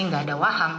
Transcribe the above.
nggak ada wahang